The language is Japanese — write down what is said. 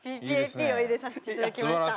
ＰＰＡＰを入れさせていただきました。